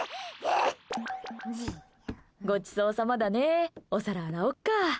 ごちそうさまだね。お皿、洗おうか。